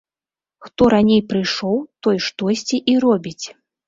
Хто раней прыйшоў, той штосьці і робіць.